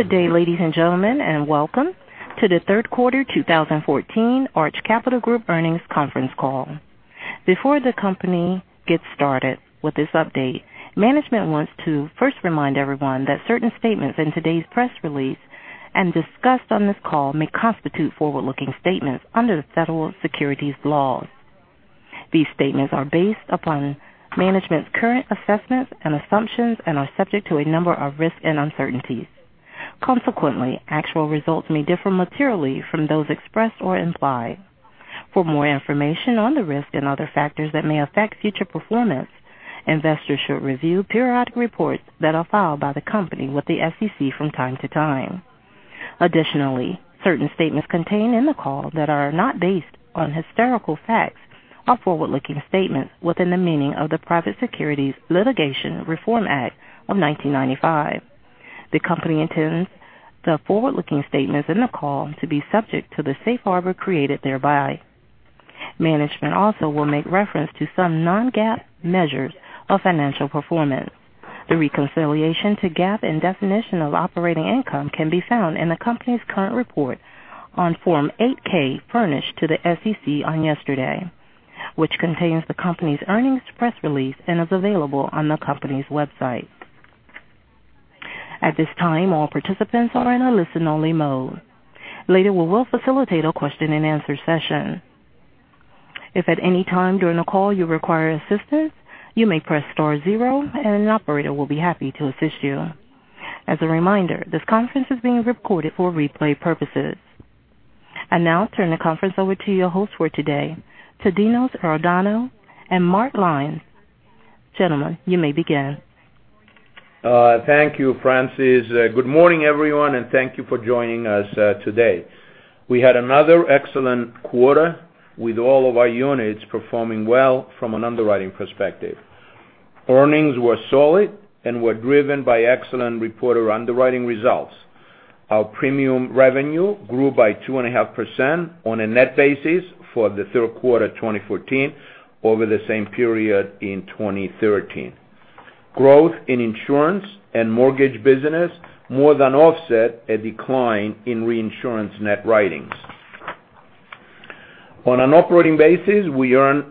Good day, ladies and gentlemen, and welcome to the third quarter 2014 Arch Capital Group earnings conference call. Before the company gets started with this update, management wants to first remind everyone that certain statements in today's press release and discussed on this call may constitute forward-looking statements under the federal securities laws. These statements are based upon management's current assessments and assumptions and are subject to a number of risks and uncertainties. Consequently, actual results may differ materially from those expressed or implied. For more information on the risks and other factors that may affect future performance, investors should review periodic reports that are filed by the company with the SEC from time to time. Additionally, certain statements contained in the call that are not based on historical facts are forward-looking statements within the meaning of the Private Securities Litigation Reform Act of 1995. The company intends the forward-looking statements in the call to be subject to the safe harbor created thereby. Management also will make reference to some non-GAAP measures of financial performance. The reconciliation to GAAP and definition of operating income can be found in the company's current report on Form 8-K furnished to the SEC yesterday, which contains the company's earnings press release and is available on the company's website. At this time, all participants are in a listen-only mode. Later, we will facilitate a question and answer session. If at any time during the call you require assistance, you may press star zero and an operator will be happy to assist you. As a reminder, this conference is being recorded for replay purposes. I now turn the conference over to your hosts for today, Dino Iordanou and Mark Lyons. Gentlemen, you may begin. Thank you, Frances. Good morning, everyone, and thank you for joining us today. We had another excellent quarter with all of our units performing well from an underwriting perspective. Earnings were solid and were driven by excellent reporter underwriting results. Our premium revenue grew by 2.5% on a net basis for the third quarter 2014 over the same period in 2013. Growth in insurance and mortgage business more than offset a decline in reinsurance net writings. On an operating basis, we earned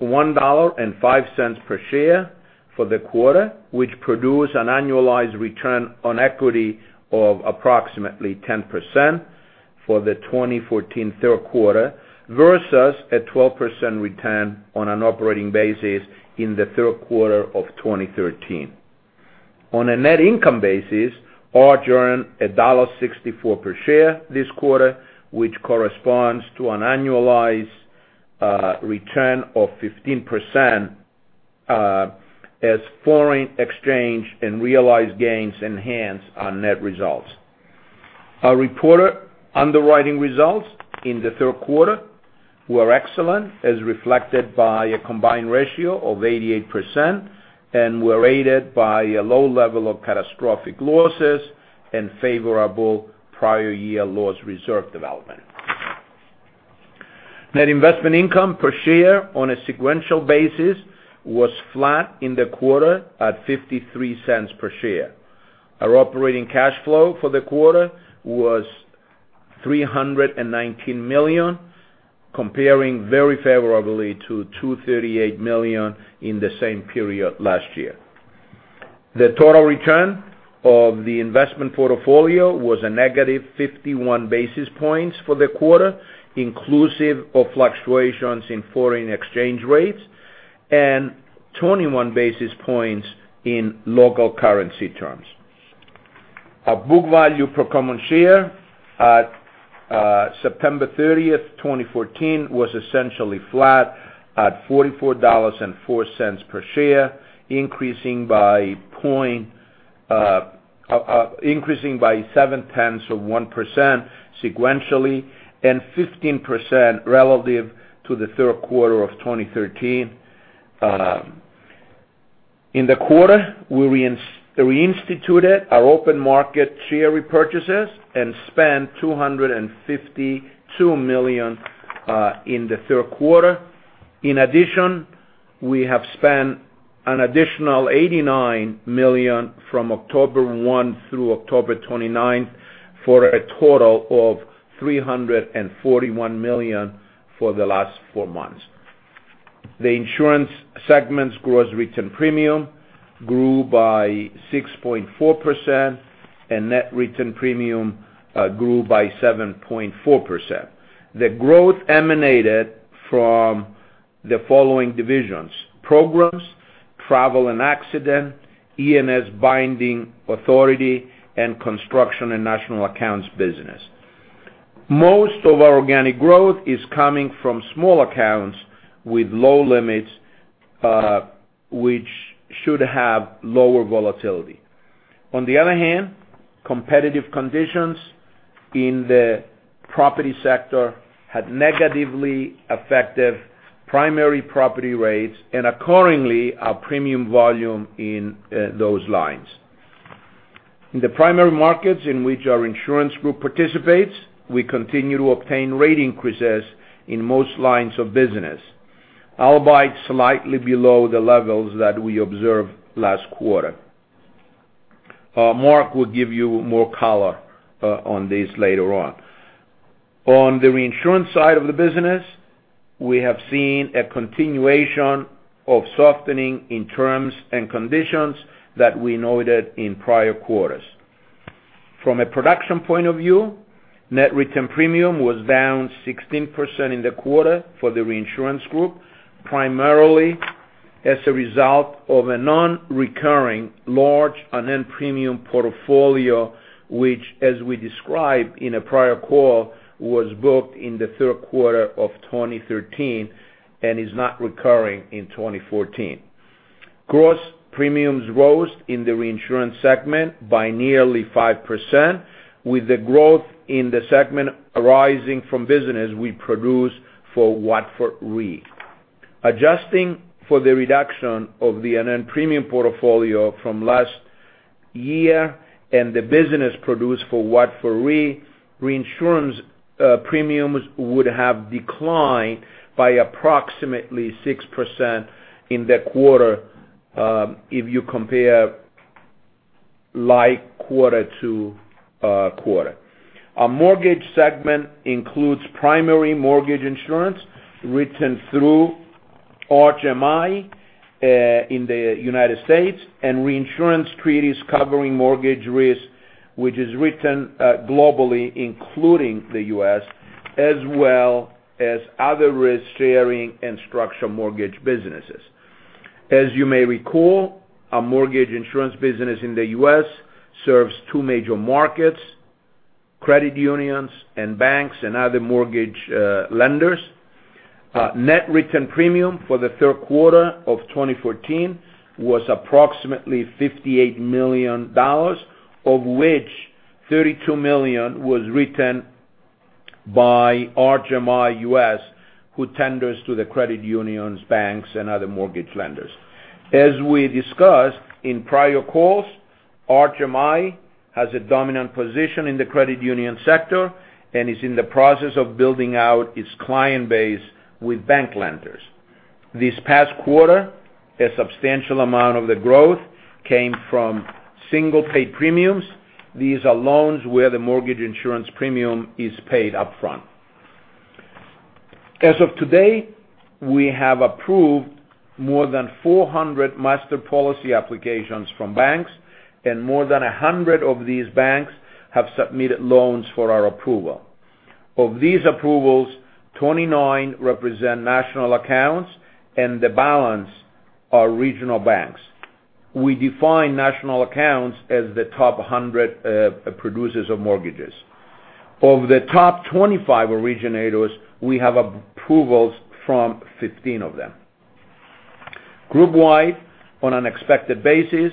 $1.05 per share for the quarter, which produced an annualized return on equity of approximately 10% for the 2014 third quarter versus a 12% return on an operating basis in the third quarter of 2013. On a net income basis, Arch earned $1.64 per share this quarter, which corresponds to an annualized return of 15% as foreign exchange and realized gains enhanced our net results. Our reported underwriting results in the third quarter were excellent, as reflected by a combined ratio of 88% and were aided by a low level of catastrophic losses and favorable prior year loss reserve development. Net investment income per share on a sequential basis was flat in the quarter at $0.53 per share. Our operating cash flow for the quarter was $319 million, comparing very favorably to $238 million in the same period last year. The total return of the investment portfolio was a negative 51 basis points for the quarter, inclusive of fluctuations in foreign exchange rates, and 21 basis points in local currency terms. Our book value per common share at September 30th, 2014, was essentially flat at $44.04 per share, increasing by 7/10 of 1% sequentially and 15% relative to the third quarter of 2013. In the quarter, we reinstituted our open market share repurchases and spent $252 million in the third quarter. In addition, we have spent an additional $89 million from October 1 through October 29th, for a total of $341 million for the last four months. The insurance segment's gross written premium grew by 6.4%, and net written premium grew by 7.4%. The growth emanated from the following divisions: Programs, Travel and Accident, E&S Binding Authority, and Construction and National Accounts business. Most of our organic growth is coming from small accounts with low limits, which should have lower volatility. On the other hand, competitive conditions in the property sector had negatively affected primary property rates and accordingly, our premium volume in those lines. In the primary markets in which our insurance group participates, we continue to obtain rate increases in most lines of business. Albeit slightly below the levels that we observed last quarter. Mark will give you more color on this later on. On the reinsurance side of the business, we have seen a continuation of softening in terms and conditions that we noted in prior quarters. From a production point of view, net written premium was down 16% in the quarter for the reinsurance group, primarily as a result of a non-recurring large, unearned premium portfolio, which, as we described in a prior call, was booked in the third quarter of 2013 and is not recurring in 2014. Gross premiums rose in the reinsurance segment by nearly 5%, with the growth in the segment arising from business we produce for Watford Re. Adjusting for the reduction of the unearned premium portfolio from last year and the business produced for Watford Re, reinsurance premiums would have declined by approximately 6% in the quarter if you compare like quarter to quarter. Our mortgage segment includes primary mortgage insurance written through Arch MI in the United States and reinsurance treaties covering mortgage risk, which is written globally, including the U.S., as well as other risk sharing and structural mortgage businesses. As you may recall, our mortgage insurance business in the U.S. serves two major markets, credit unions and banks, and other mortgage lenders. Net written premium for the third quarter of 2014 was approximately $58 million, of which $32 million was written by Arch MI U.S., who tenders to the credit unions, banks, and other mortgage lenders. As we discussed in prior calls, Arch MI has a dominant position in the credit union sector and is in the process of building out its client base with bank lenders. This past quarter, a substantial amount of the growth came from single paid premiums. These are loans where the mortgage insurance premium is paid upfront. As of today, we have approved more than 400 master policy applications from banks, and more than 100 of these banks have submitted loans for our approval. Of these approvals, 29 represent national accounts, and the balance are regional banks. We define national accounts as the top 100 producers of mortgages. Of the top 25 originators, we have approvals from 15 of them. Group wide, on an expected basis,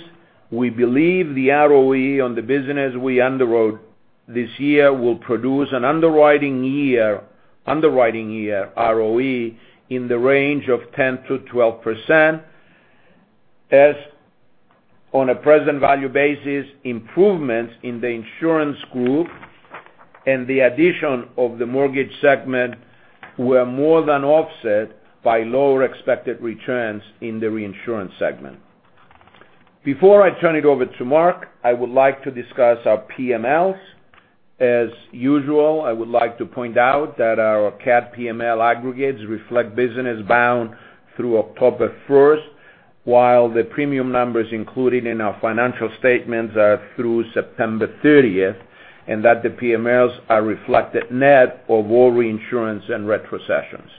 we believe the ROE on the business we underwrote this year will produce an underwriting year ROE in the range of 10%-12%, as on a present value basis, improvements in the insurance group and the addition of the mortgage segment were more than offset by lower expected returns in the reinsurance segment. Before I turn it over to Mark, I would like to discuss our PMLs. As usual, I would like to point out that our CAT PML aggregates reflect business bound through October 1st, while the premium numbers included in our financial statements are through September 30th, and that the PMLs are reflected net of all reinsurance and retrocessions.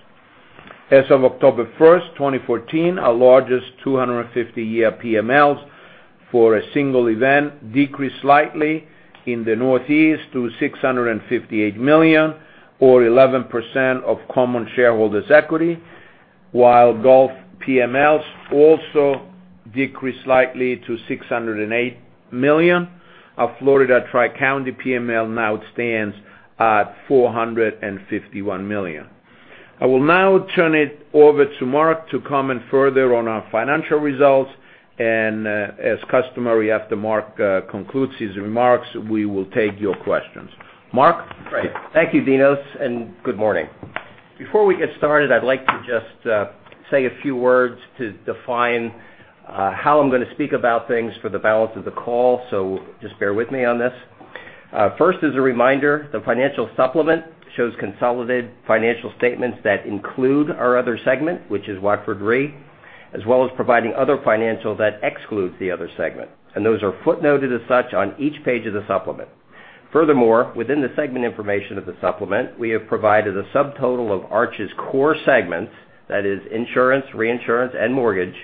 As of October 1st, 2014, our largest 250-year PMLs for a single event decreased slightly in the Northeast to $658 million or 11% of common shareholders' equity, while Gulf PMLs also decreased slightly to $608 million. Our Florida Tri-County PML now stands at $451 million. I will now turn it over to Mark to comment further on our financial results, and as customary, after Mark concludes his remarks, we will take your questions. Mark? Great. Thank you, Dinos, and good morning. Before we get started, I'd like to just say a few words to define how I'm going to speak about things for the balance of the call, so just bear with me on this. First, as a reminder, the financial supplement shows consolidated financial statements that include our other segment, which is Watford Re, as well as providing other financial that excludes the other segment, and those are footnoted as such on each page of the supplement. Furthermore, within the segment information of the supplement, we have provided a subtotal of Arch's core segments, that is insurance, reinsurance, and mortgage,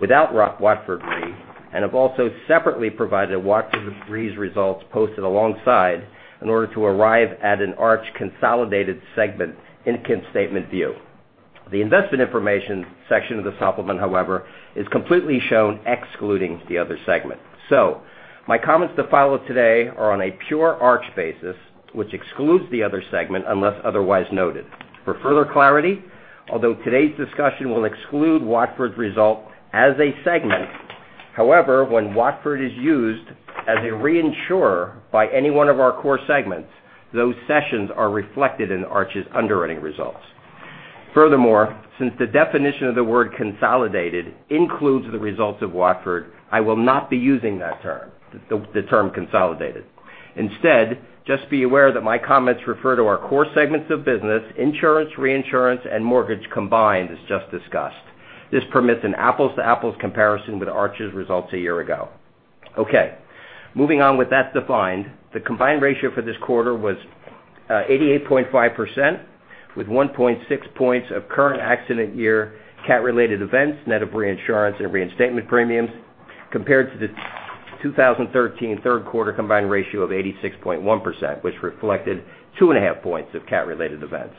without Watford Re, and have also separately provided Watford Re's results posted alongside in order to arrive at an Arch consolidated segment income statement view. The investment information section of the supplement, however, is completely shown excluding the other segment. My comments to follow today are on a pure Arch basis, which excludes the other segment unless otherwise noted. For further clarity, although today's discussion will exclude Watford's result as a segment. However, when Watford is used as a reinsurer by any one of our core segments, those sessions are reflected in Arch's underwriting results. Furthermore, since the definition of the word consolidated includes the results of Watford, I will not be using that term, the term consolidated. Instead, just be aware that my comments refer to our core segments of business, insurance, reinsurance, and mortgage combined as just discussed. This permits an apples to apples comparison with Arch's results a year ago. Moving on with that defined, the combined ratio for this quarter was 88.5%, with 1.6 points of current accident year CAT-related events, net of reinsurance and reinstatement premiums compared to the 2013 third quarter combined ratio of 86.1%, which reflected two and a half points of CAT-related events.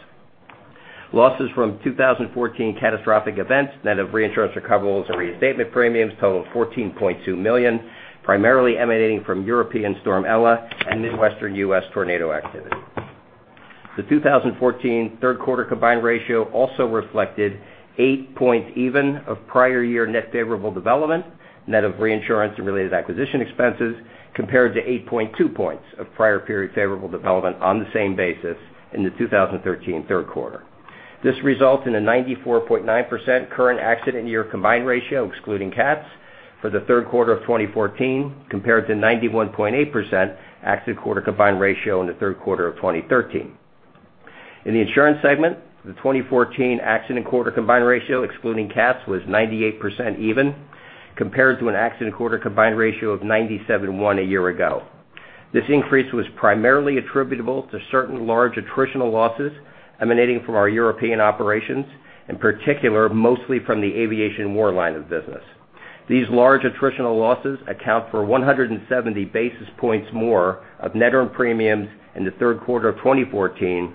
Losses from 2014 catastrophic events, net of reinsurance recoverables and reinstatement premiums totaled $14.2 million, primarily emanating from European Storm Ela and Midwestern U.S. tornado activity. The 2014 third quarter combined ratio also reflected 8 points even of prior year net favorable development, net of reinsurance and related acquisition expenses, compared to 8.2 points of prior period favorable development on the same basis in the 2013 third quarter. This results in a 94.9% current accident year combined ratio, excluding CATs for the third quarter of 2014, compared to 91.8% accident quarter combined ratio in the third quarter of 2013. In the insurance segment, the 2014 accident quarter combined ratio excluding CATs, was 98% even compared to an accident quarter combined ratio of 97.1% a year ago. This increase was primarily attributable to certain large attritional losses emanating from our European operations, in particular, mostly from the aviation war line of business. These large attritional losses account for 170 basis points more of net earned premiums in the third quarter of 2014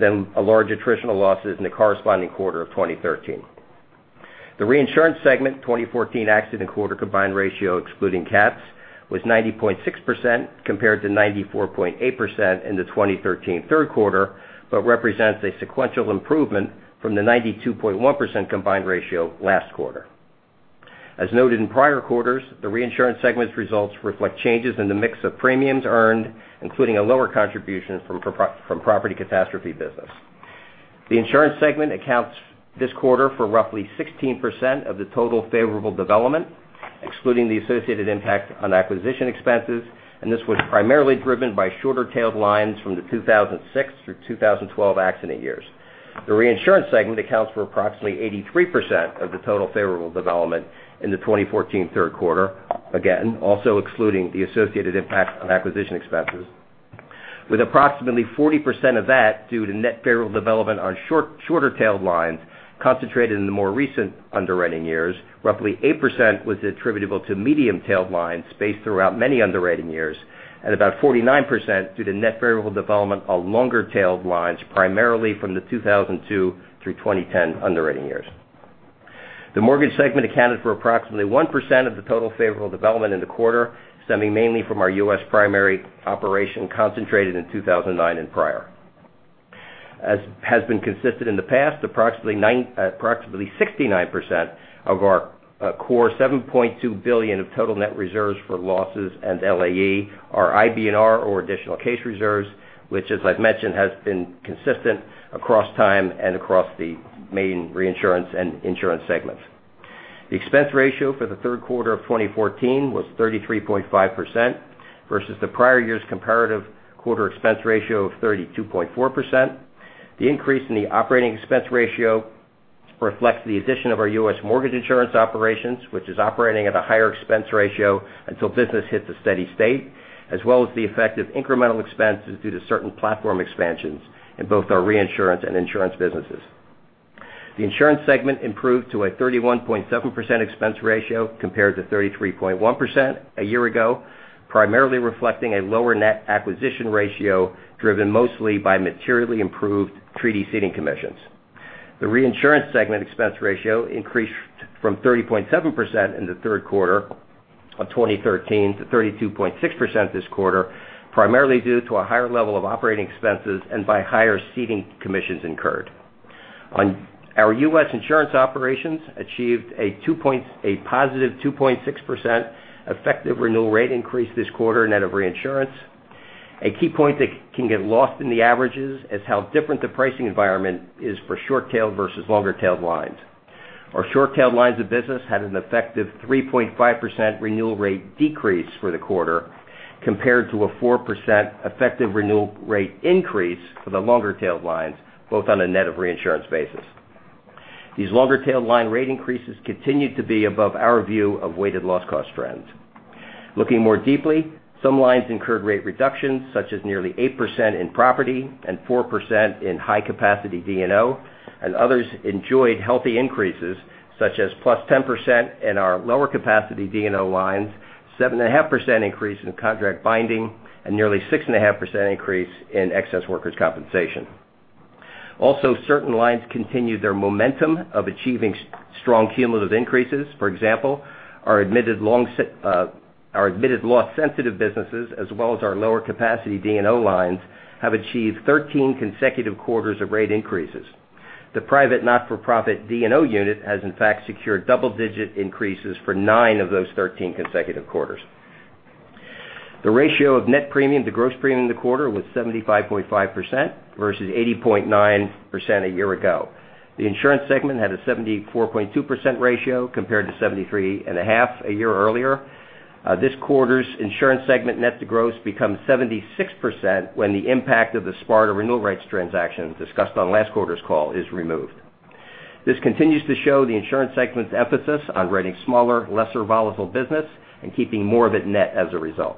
than large attritional losses in the corresponding quarter of 2013. The reinsurance segment 2014 accident quarter combined ratio excluding CATs, was 90.6%, compared to 94.8% in the 2013 third quarter, represents a sequential improvement from the 92.1% combined ratio last quarter. As noted in prior quarters, the reinsurance segment's results reflect changes in the mix of premiums earned, including a lower contribution from property catastrophe business. The insurance segment accounts this quarter for roughly 16% of the total favorable development, excluding the associated impact on acquisition expenses, this was primarily driven by shorter-tailed lines from the 2006 through 2012 accident years. The reinsurance segment accounts for approximately 83% of the total favorable development in the 2014 third quarter. Also excluding the associated impact on acquisition expenses, with approximately 40% of that due to net favorable development on shorter-tailed lines concentrated in the more recent underwriting years. Roughly 8% was attributable to medium-tailed lines spaced throughout many underwriting years, and about 49% due to net variable development of longer tailed lines, primarily from the 2002 through 2010 underwriting years. The mortgage segment accounted for approximately 1% of the total favorable development in the quarter, stemming mainly from our U.S. primary operation concentrated in 2009 and prior. As has been consistent in the past, approximately 69% of our core $7.2 billion of total net reserves for losses and LAE are IBNR or additional case reserves, which as I've mentioned, has been consistent across time and across the main reinsurance and insurance segments. The expense ratio for the third quarter of 2014 was 33.5% versus the prior year's comparative quarter expense ratio of 32.4%. The increase in the operating expense ratio reflects the addition of our U.S. mortgage insurance operations, which is operating at a higher expense ratio until business hits a steady state, as well as the effect of incremental expenses due to certain platform expansions in both our reinsurance and insurance businesses. The insurance segment improved to a 31.7% expense ratio compared to 33.1% a year ago, primarily reflecting a lower net acquisition ratio driven mostly by materially improved treaty ceding commissions. The reinsurance segment expense ratio increased from 30.7% in the third quarter of 2013 to 32.6% this quarter, primarily due to a higher level of operating expenses and by higher ceding commissions incurred. Our U.S. insurance operations achieved a positive 2.6% effective renewal rate increase this quarter net of reinsurance. A key point that can get lost in the averages is how different the pricing environment is for short-tailed versus longer-tailed lines. Our short-tailed lines of business had an effective 3.5% renewal rate decrease for the quarter, compared to a 4% effective renewal rate increase for the longer-tailed lines, both on a net of reinsurance basis. These longer-tailed line rate increases continued to be above our view of weighted loss cost trends. Looking more deeply, some lines incurred rate reductions such as nearly 8% in property and 4% in high capacity D&O, and others enjoyed healthy increases such as +10% in our lower capacity D&O lines, 7.5% increase in contract binding, and nearly 6.5% increase in excess workers' compensation. Certain lines continued their momentum of achieving strong cumulative increases. For example, our admitted loss-sensitive businesses as well as our lower capacity D&O lines have achieved 13 consecutive quarters of rate increases. The private not-for-profit D&O unit has in fact secured double digit increases for nine of those 13 consecutive quarters. The ratio of net premium to gross premium in the quarter was 75.5% versus 80.9% a year ago. The insurance segment had a 74.2% ratio compared to 73.5% a year earlier. This quarter's insurance segment net to gross becomes 76% when the impact of the SPARTA renewal rights transaction discussed on last quarter's call is removed. This continues to show the insurance segment's emphasis on writing smaller, lesser volatile business and keeping more of it net as a result.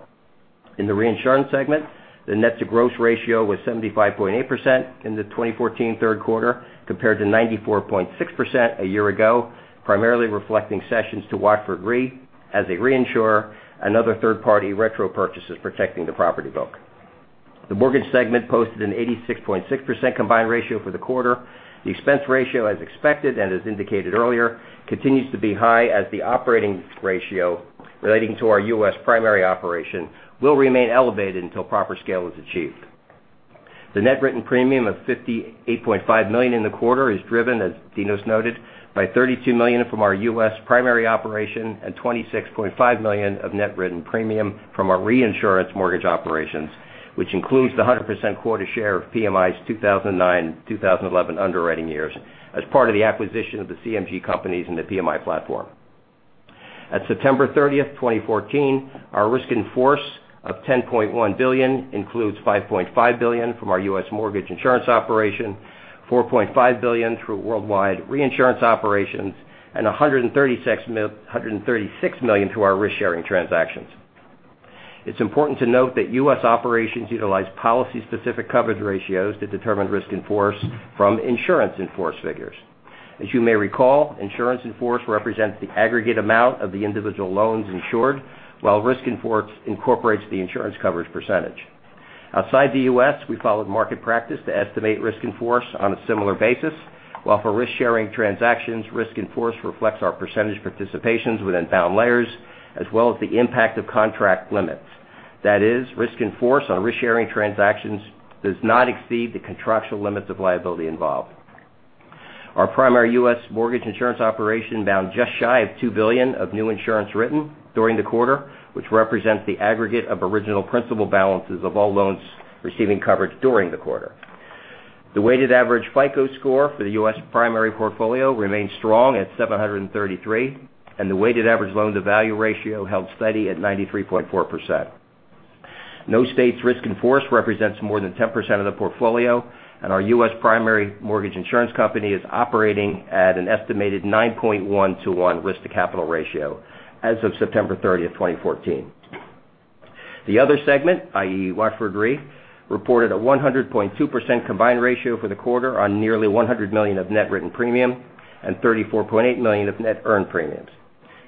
In the reinsurance segment, the net to gross ratio was 75.8% in the 2014 third quarter, compared to 94.6% a year ago, primarily reflecting sessions to Watford Re as a reinsurer, another third party retro purchase is protecting the property book. The mortgage segment posted an 86.6% combined ratio for the quarter. The expense ratio, as expected and as indicated earlier, continues to be high as the operating ratio relating to our U.S. primary operation will remain elevated until proper scale is achieved. The net written premium of $58.5 million in the quarter is driven, as Dinos noted, by $32 million from our U.S. primary operation and $26.5 million of net written premium from our reinsurance mortgage operations, which includes the 100% quarter share of PMI's 2009, 2011 underwriting years as part of the acquisition of the CMG companies in the PMI platform. At September 30th, 2014, our risk in force of $10.1 billion includes $5.5 billion from our U.S. mortgage insurance operation, $4.5 billion through worldwide reinsurance operations, and $136 million to our risk-sharing transactions. It's important to note that U.S. operations utilize policy-specific coverage ratios to determine risk in force from insurance in force figures. As you may recall, insurance in force represents the aggregate amount of the individual loans insured, while risk in force incorporates the insurance coverage percentage. Outside the U.S., we followed market practice to estimate Risk in Force on a similar basis, while for risk-sharing transactions, Risk in Force reflects our percentage participations within bound layers, as well as the impact of contract limits. That is, Risk in Force on risk-sharing transactions does not exceed the contractual limits of liability involved. Our primary U.S. mortgage insurance operation bound just shy of $2 billion of New Insurance Written during the quarter, which represents the aggregate of original principal balances of all loans receiving coverage during the quarter. The weighted average FICO score for the U.S. primary portfolio remains strong at 733, and the weighted average Loan-to-Value ratio held steady at 93.4%. No state's Risk in Force represents more than 10% of the portfolio, and our U.S. primary mortgage insurance company is operating at an estimated 9.1 to 1 Risk-to-Capital Ratio as of September 30th, 2014. The other segment, i.e. Watford Re, reported a 100.2% combined ratio for the quarter on nearly $100 million of net written premium and $34.8 million of net earned premiums.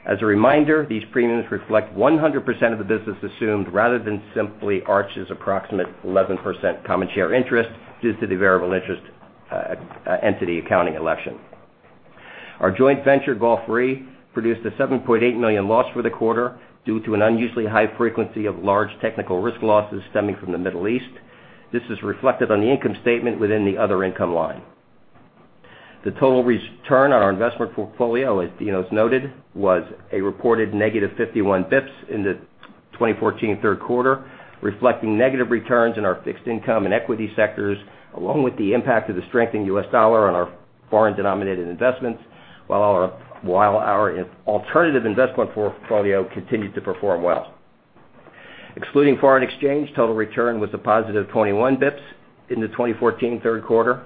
As a reminder, these premiums reflect 100% of the business assumed rather than simply Arch's approximate 11% common share interest due to the variable interest entity accounting election. Our joint venture, Gulf Re, produced a $7.8 million loss for the quarter due to an unusually high frequency of large technical risk losses stemming from the Middle East. This is reflected on the income statement within the other income line. The total return on our investment portfolio, as Dinos noted, was a reported negative 51 basis points in the 2014 third quarter, reflecting negative returns in our fixed income and equity sectors, along with the impact of the strengthening U.S. dollar on our foreign denominated investments, while our alternative investment portfolio continued to perform well. Excluding foreign exchange, total return was a positive 21 basis points in the 2014 third quarter.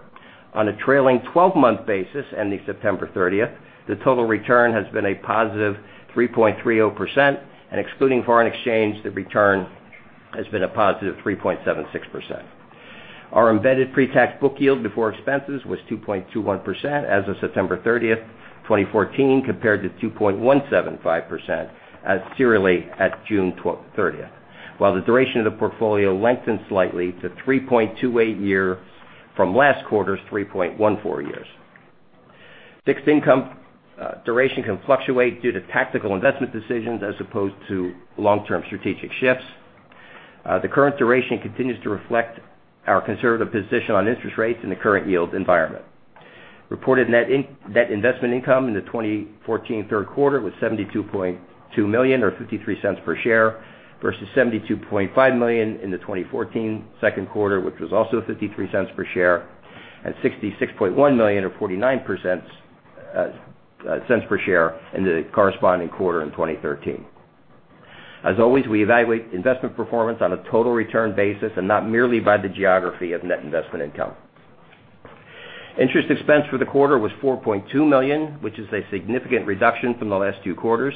On a trailing 12-month basis ending September 30th, the total return has been a positive 3.30%, and excluding foreign exchange, the return has been a positive 3.76%. Our embedded pre-tax book yield before expenses was 2.21% as of September 30th, 2014, compared to 2.175% as yearly at June 30th. While the duration of the portfolio lengthened slightly to 3.28 year from last quarter's 3.14 years. Fixed income duration can fluctuate due to tactical investment decisions as opposed to long-term strategic shifts. The current duration continues to reflect our conservative position on interest rates in the current yield environment. Reported net investment income in the 2014 third quarter was $72.2 million or $0.53 per share versus $72.5 million in the 2014 second quarter, which was also $0.53 per share, and $66.1 million or $0.49 per share in the corresponding quarter in 2013. As always, we evaluate investment performance on a total return basis and not merely by the geography of net investment income. Interest expense for the quarter was $4.2 million, which is a significant reduction from the last two quarters.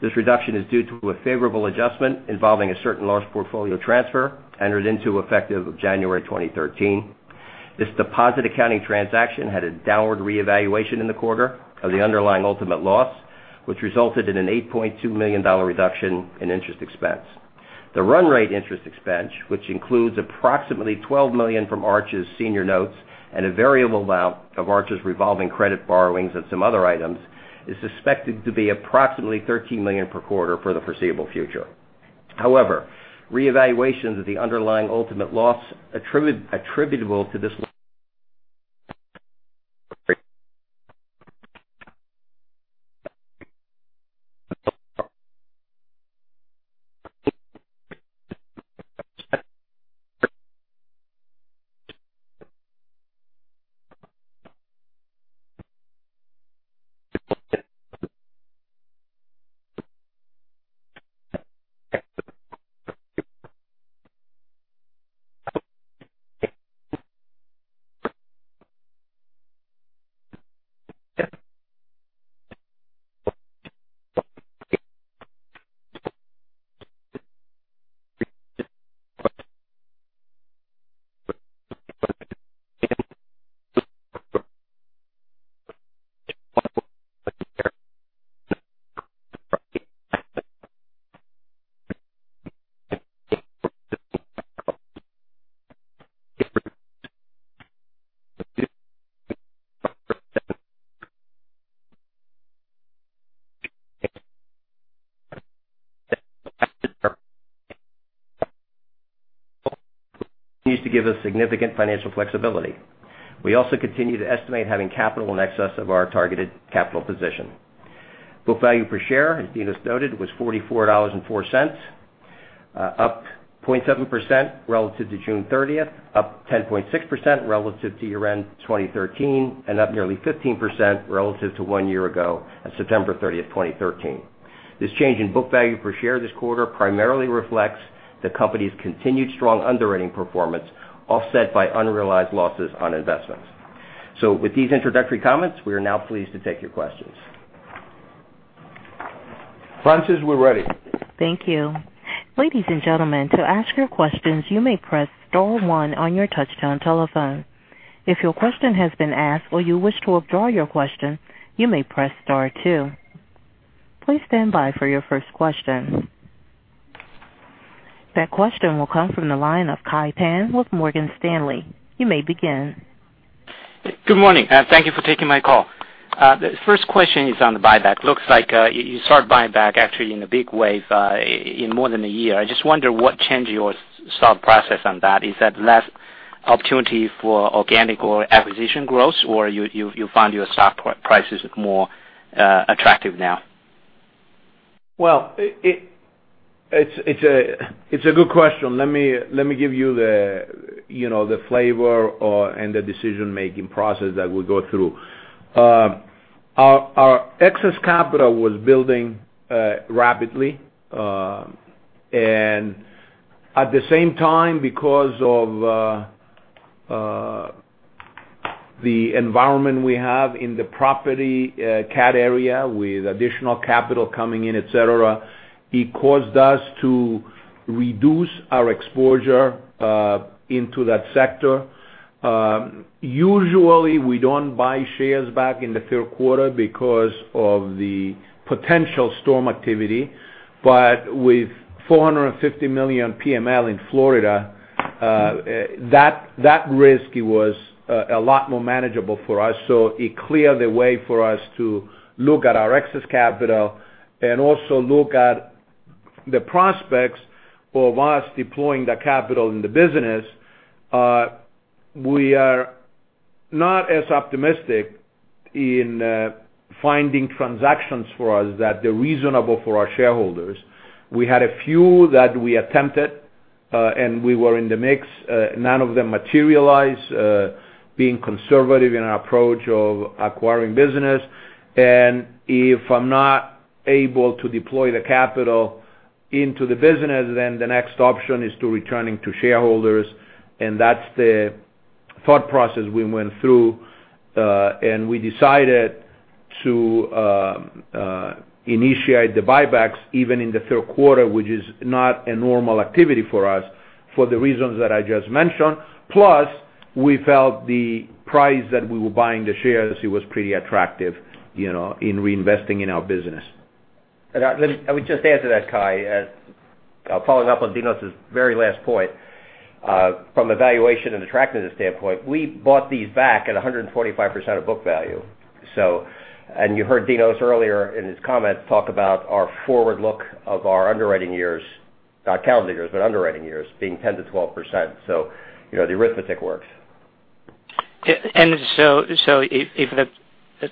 This reduction is due to a favorable adjustment involving a certain large portfolio transfer entered into effective January 2013. This deposit accounting transaction had a downward reevaluation in the quarter of the underlying ultimate loss, which resulted in an $8.2 million reduction in interest expense. The run rate interest expense, which includes approximately $12 million from Arch's senior notes and a variable amount of Arch's revolving credit borrowings and some other items, is suspected to be approximately $13 million per quarter for the foreseeable future. However, reevaluation of the underlying ultimate loss attributable to this needs to give us significant financial flexibility. We also continue to estimate having capital in excess of our targeted capital position. Book value per share, as Dinos noted, was $44.04 up 0.7% relative to June 30th, up 10.6% relative to year-end 2013, and up nearly 15% relative to one year ago at September 30th, 2013. This change in book value per share this quarter primarily reflects the company's continued strong underwriting performance, offset by unrealized losses on investments. With these introductory comments, we are now pleased to take your questions. Frances, we're ready. Thank you. Ladies and gentlemen, to ask your questions, you may press star one on your touchtone telephone. If your question has been asked or you wish to withdraw your question, you may press star two. Please stand by for your first question. That question will come from the line of Kai Pan with Morgan Stanley. You may begin. Good morning. Thank you for taking my call. The first question is on the buyback. Looks like you start buyback actually in a big way in more than a year. I just wonder what changed your stock process on that. Is that less opportunity for organic or acquisition growth, or you find your stock price is more attractive now? It's a good question. Let me give you the flavor and the decision-making process that we go through. Our excess capital was building rapidly, and at the same time, because of the environment we have in the property CAT area with additional capital coming in, et cetera, it caused us to reduce our exposure into that sector. Usually, we don't buy shares back in the third quarter because of the potential storm activity. With $450 million PML in Florida, that risk was a lot more manageable for us. It cleared the way for us to look at our excess capital and also look at the prospects of us deploying that capital in the business. We are not as optimistic in finding transactions for us that they're reasonable for our shareholders. We had a few that we attempted, and we were in the mix. None of them materialized, being conservative in our approach of acquiring business. If I'm not able to deploy the capital into the business, then the next option is to returning to shareholders. That's the thought process we went through. We decided to initiate the buybacks even in the third quarter, which is not a normal activity for us for the reasons that I just mentioned. Plus, we felt the price that we were buying the shares, it was pretty attractive in reinvesting in our business. Let me just add to that, Kai, following up on Dinos' very last point. From a valuation and attractiveness standpoint, we bought these back at 145% of book value. You heard Dinos earlier in his comments talk about our forward look of our underwriting years, not calendar years, but underwriting years, being 10% to 12%. The arithmetic works. If the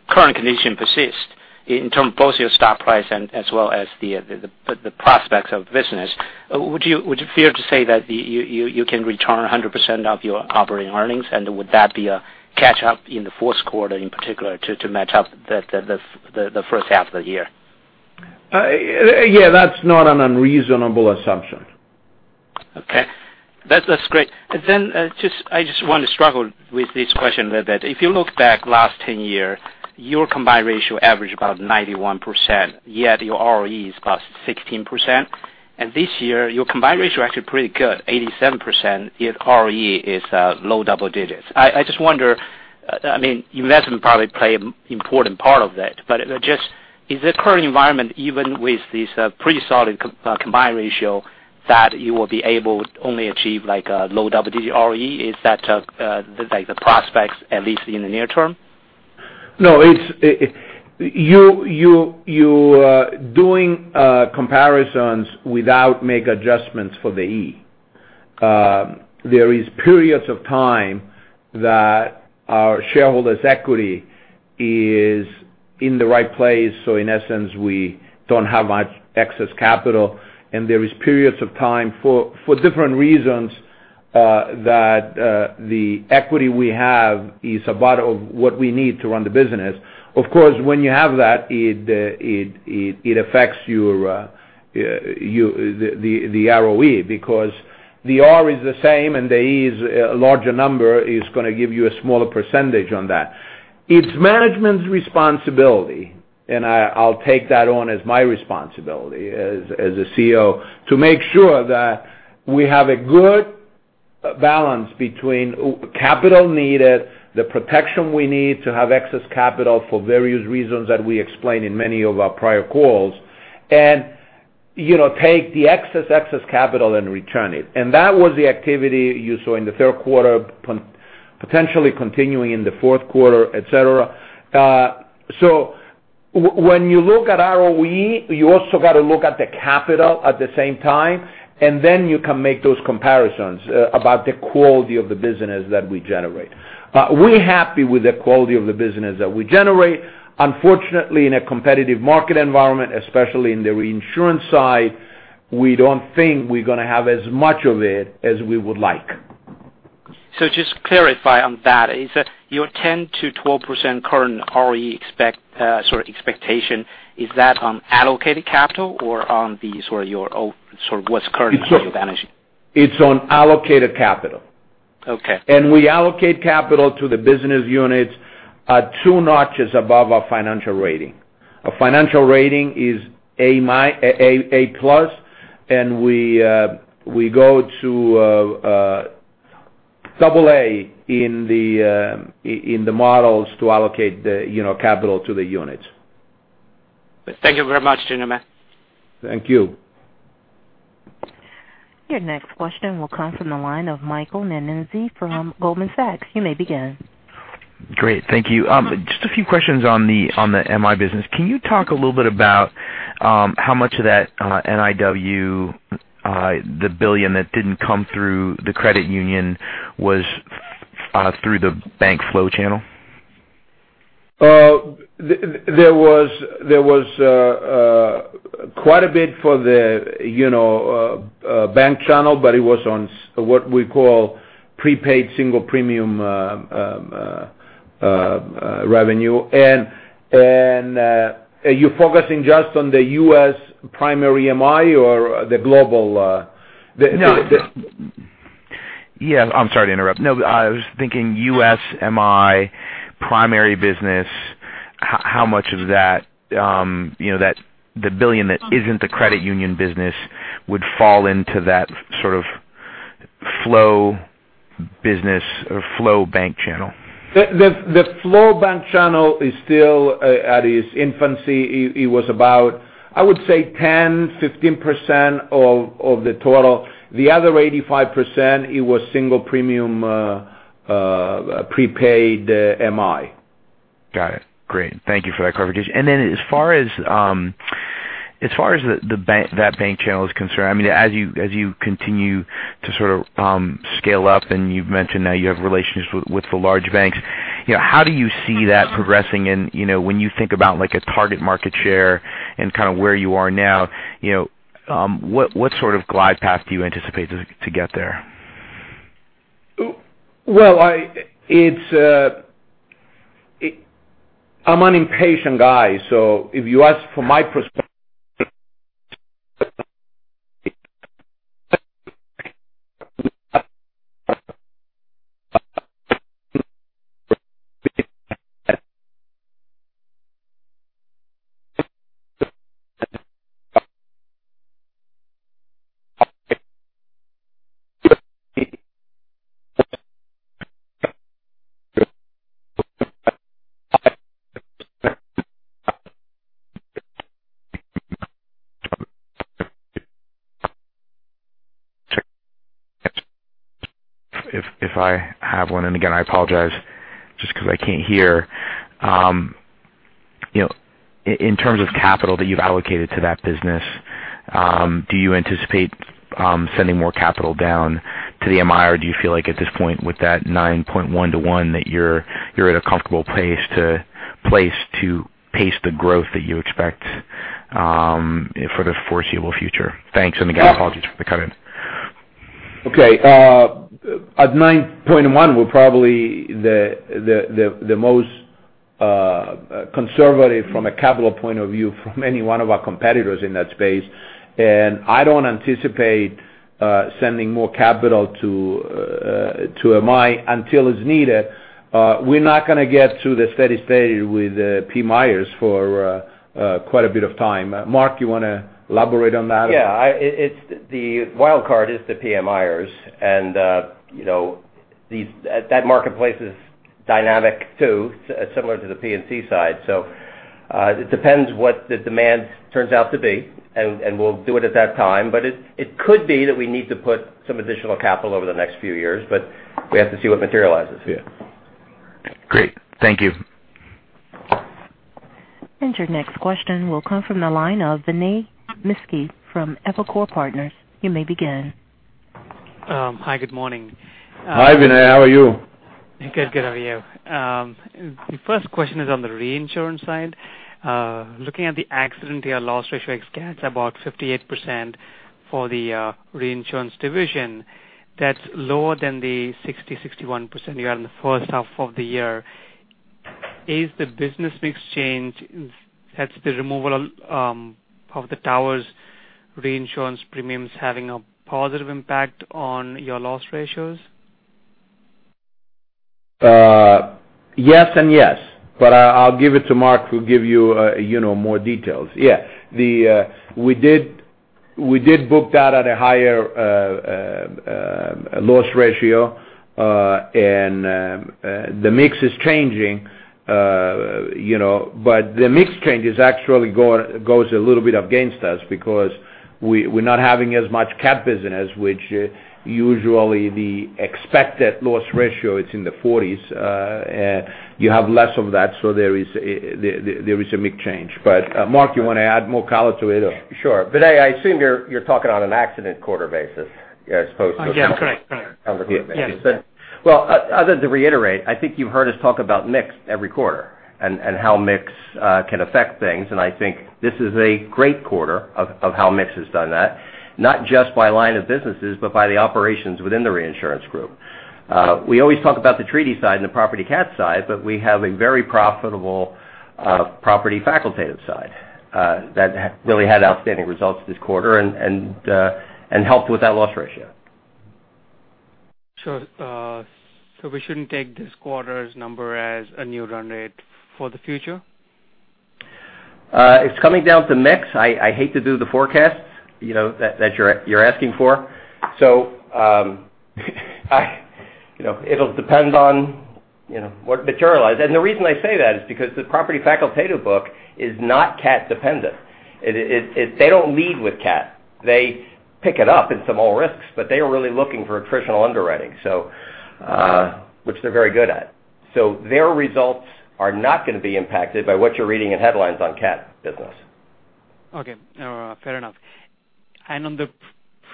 current condition persists in terms both your stock price and as well as the prospects of the business, would you feel to say that you can return 100% of your operating earnings and would that be a catch up in the fourth quarter in particular to match up the first half of the year? Yeah, that's not an unreasonable assumption. Okay. That's great. I just want to struggle with this question a little bit. If you look back last 10 year, your combined ratio average about 91%, yet your ROE is +16%. This year, your combined ratio actually pretty good, 87%, yet ROE is low double digits. I just wonder, investment probably play important part of it, but just, is the current environment, even with this pretty solid combined ratio, that you will be able to only achieve like a low double digit ROE? Is that like the prospects, at least in the near term? No, you're doing comparisons without make adjustments for the E. There is periods of time that our shareholders' equity is in the right place, so in essence, we don't have much excess capital, and there is periods of time for different reasons, that the equity we have is about what we need to run the business. Of course, when you have that, it affects the ROE because the R is the same and the E is a larger number, it's going to give you a smaller percentage on that. It's management's responsibility, and I'll take that on as my responsibility as a CEO, to make sure that we have a good balance between capital needed, the protection we need to have excess capital for various reasons that we explained in many of our prior calls. Take the excess capital and return it. That was the activity you saw in the third quarter, potentially continuing in the fourth quarter, et cetera. When you look at ROE, you also got to look at the capital at the same time, and then you can make those comparisons about the quality of the business that we generate. We're happy with the quality of the business that we generate. Unfortunately, in a competitive market environment, especially in the reinsurance side, we don't think we're going to have as much of it as we would like. Just to clarify on that, your 10%-12% current ROE expectation, is that on allocated capital or on what's currently on your balance sheet? It's on allocated capital. Okay. We allocate capital to the business units at two notches above our financial rating. Our financial rating is A plus, and we go to double A in the models to allocate the capital to the units. Thank you very much, Dinos Iordanou. Thank you. Your next question will come from the line of Michael Nannizzi from Goldman Sachs. You may begin. Great. Thank you. Just a few questions on the MI business. Can you talk a little bit about how much of that NIW, the $1 billion that didn't come through the credit union was through the bank flow channel? There was quite a bit for the bank channel, but it was on what we call prepaid single premium revenue. Are you focusing just on the U.S. primary MI or the global No. Yeah, I'm sorry to interrupt. No, I was thinking Arch MI primary business. How much of the $1 billion that isn't the credit union business would fall into that sort of flow business or flow bank channel? The flow bank channel is still at its infancy. It was about, I would say, 10%-15% of the total. The other 85%, it was single premium prepaid MI. Got it. Great. Thank you for that clarification. As far as that bank channel is concerned, as you continue to sort of scale up and you've mentioned now you have relationships with the large banks. How do you see that progressing? When you think about like a target market share and kind of where you are now, what sort of glide path do you anticipate to get there? Well, I'm an impatient guy, if you ask for my. If I have one, again, I apologize just because I can't hear. In terms of capital that you've allocated to that business, do you anticipate sending more capital down to the MI, or do you feel like at this point with that 9.1 to one that you're at a comfortable place to pace the growth that you expect for the foreseeable future? Thanks. Again, apologies for the cut in. Okay. At 9.1, we're probably the most conservative from a capital point of view from any one of our competitors in that space. I don't anticipate sending more capital to MI until it's needed. We're not going to get to the steady state with PMIs for quite a bit of time. Mark, you want to elaborate on that? Yeah. The wild card is the PMIs, and that marketplace is dynamic too, similar to the P&C side. It depends what the demand turns out to be, and we'll do it at that time. It could be that we need to put some additional capital over the next few years, we have to see what materializes. Yeah. Great. Thank you. Your next question will come from the line of Vinay Misquith from Evercore Partners. You may begin. Hi. Good morning. Hi, Vinay. How are you? Good. How are you? The first question is on the reinsurance side. Looking at the accident year loss ratio ex CATs, about 58% for the reinsurance division. That's lower than the 60, 61% you had in the first half of the year. Is the business mix change, hence the removal of the towers, reinsurance premiums having a positive impact on your loss ratios? Yes and yes. I will give it to Mark, who will give you more details. We did book that at a higher loss ratio, and the mix is changing, but the mix change actually goes a little bit against us because we are not having as much CAT business, which usually the expected loss ratio, it is in the 40s. You have less of that, so there is a mix change. Mark, you want to add more color to it? Sure. Vinay, I assume you are talking on an accident quarter basis as opposed to- Correct. basis. Yes. Other than to reiterate, I think you have heard us talk about mix every quarter and how mix can affect things, and I think this is a great quarter of how mix has done that. Not just by line of businesses, but by the operations within the reinsurance group. We always talk about the treaty side and the property CAT side, but we have a very profitable property facultative side that really had outstanding results this quarter and helped with that loss ratio. We shouldn't take this quarter's number as a new run rate for the future? It's coming down to mix. I hate to do the forecast that you're asking for. It'll depend on what materializes. The reason I say that is because the property facultative book is not CAT dependent. They don't lead with CAT. They pick it up in some old risks, but they are really looking for attritional underwriting, which they're very good at. Their results are not going to be impacted by what you're reading in headlines on CAT business. Okay. Fair enough. On the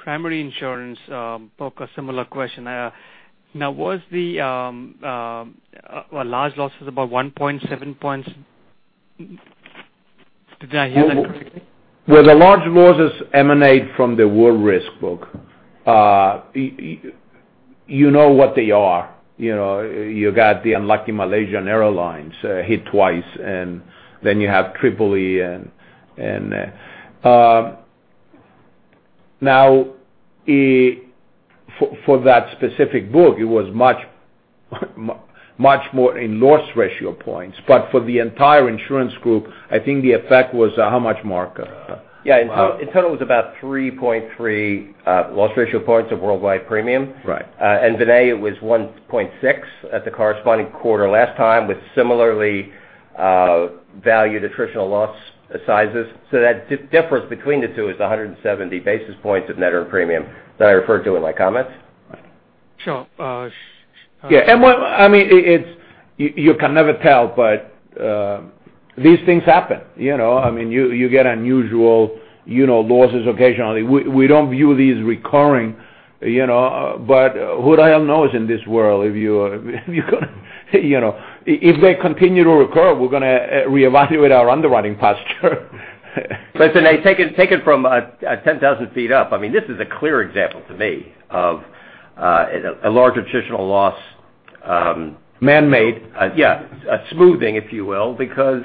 primary insurance book, a similar question. Now, was the large losses about 1.7 points? Did I hear that correctly? Well, the large losses emanate from the war risk book. You know what they are. You got the unlucky Malaysia Airlines hit twice, you have Tripoli. Now for that specific book, it was much more in loss ratio points. For the entire insurance group, I think the effect was, how much, Mark? Yeah. In total, it was about 3.3 loss ratio points of worldwide premium. Right. Vinay, it was 1.6 at the corresponding quarter last time with similarly valued attritional loss sizes. That difference between the two is 170 basis points of net earned premium that I referred to in my comments. Sure. Yeah. You can never tell, but these things happen. You get unusual losses occasionally. We don't view these recurring, but who the hell knows in this world. If they continue to recur, we're going to reevaluate our underwriting posture. Vinay, take it from 10,000 feet up. This is a clear example to me of a large attritional loss. Man-made Yeah. A smoothing, if you will, because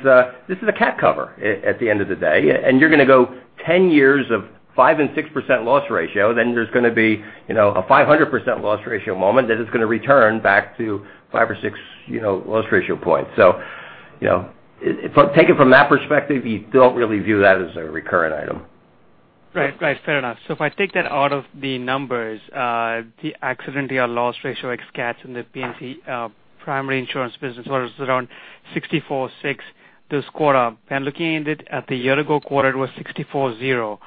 this is a CAT cover at the end of the day. You're going to go 10 years of 5% and 6% loss ratio, then there's going to be a 500% loss ratio moment, then it's going to return back to 5 or 6 loss ratio points. Take it from that perspective, you don't really view that as a recurrent item. Right. Fair enough. If I take that out of the numbers, the accidental loss ratio ex CATs in the P&C primary insurance business was around 64.6% this quarter. Looking at it at the year-ago quarter, it was 64.0%.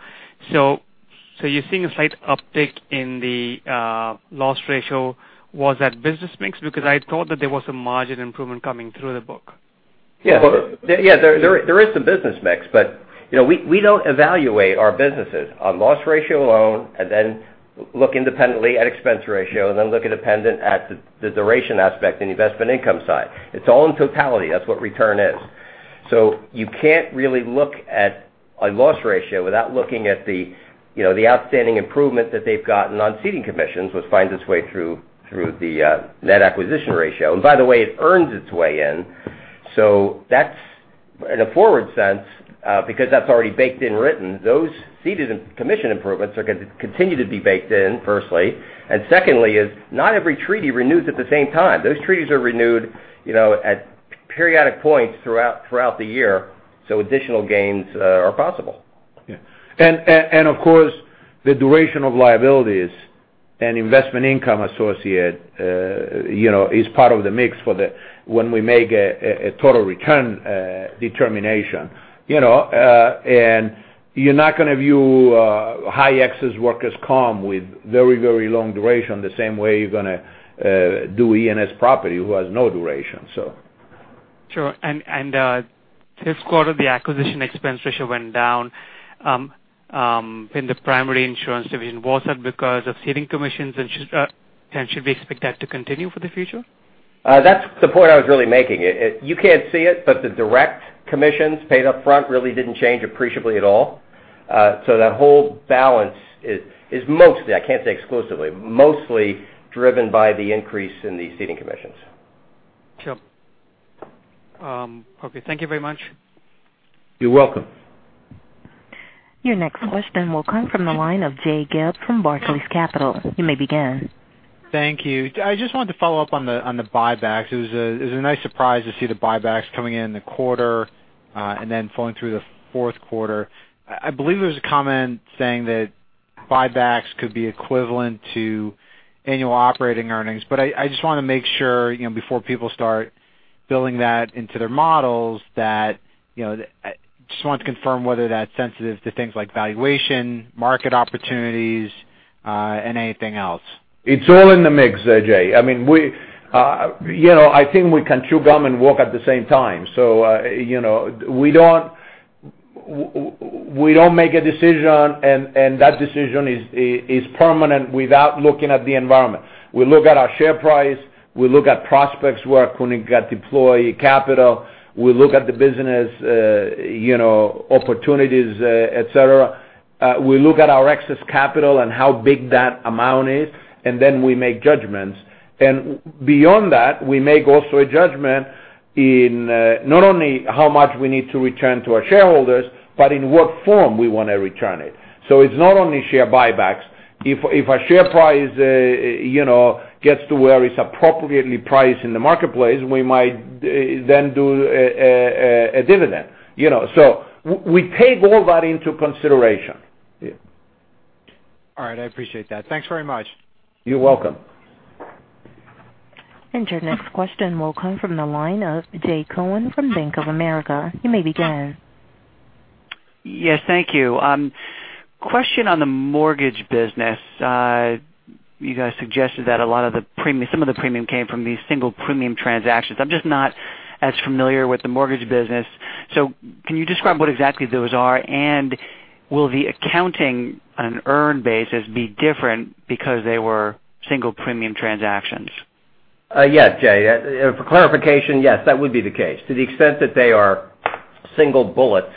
You're seeing a slight uptick in the loss ratio. Was that business mix? Because I thought that there was some margin improvement coming through the book. Yeah. There is some business mix. We don't evaluate our businesses on loss ratio alone, then look independently at expense ratio, then look independent at the duration aspect and the investment income side. It's all in totality. That's what return is. You can't really look at a loss ratio without looking at the outstanding improvement that they've gotten on ceded commissions, which finds its way through the net acquisition ratio. By the way, it earns its way in. That's in a forward sense because that's already baked in written. Those ceded and commission improvements are going to continue to be baked in, firstly. Secondly is not every treaty renews at the same time. Those treaties are renewed at periodic points throughout the year, additional gains are possible. Yeah. Of course, the duration of liabilities and investment income associate is part of the mix for when we make a total return determination. You're not going to view high excess workers' comp with very long duration, the same way you're going to do E&S property who has no duration. Sure. This quarter, the acquisition expense ratio went down in the primary insurance division. Was that because of ceding commissions, and should we expect that to continue for the future? That's the point I was really making. You can't see it, but the direct commissions paid up front really didn't change appreciably at all. That whole balance is mostly, I can't say exclusively, mostly driven by the increase in the ceding commissions. Sure. Okay, thank you very much. You're welcome. Your next question will come from the line of Jay Gelb from Barclays Capital. You may begin. Thank you. I just wanted to follow up on the buybacks. It was a nice surprise to see the buybacks coming in the quarter, and then flowing through the fourth quarter. I believe there was a comment saying that buybacks could be equivalent to annual operating earnings. I just want to make sure before people start building that into their models, just want to confirm whether that's sensitive to things like valuation, market opportunities, and anything else. It's all in the mix, Jay. I think we can chew gum and walk at the same time. We don't make a decision, and that decision is permanent without looking at the environment. We look at our share price, we look at prospects where we got deployed capital. We look at the business opportunities, et cetera. We look at our excess capital and how big that amount is. We make judgments. Beyond that, we make also a judgment in, not only how much we need to return to our shareholders, but in what form we want to return it. It's not only share buybacks. If our share price gets to where it's appropriately priced in the marketplace, we might then do a dividend. We take all that into consideration. All right. I appreciate that. Thanks very much. You're welcome. Your next question will come from the line of Jay Cohen from Bank of America. You may begin. Yes, thank you. Question on the mortgage business. You guys suggested that some of the premium came from these single premium transactions. I'm just not as familiar with the mortgage business. Can you describe what exactly those are, and will the accounting on earned basis be different because they were single premium transactions? Yes, Jay. For clarification, yes, that would be the case. To the extent that they are single bullets,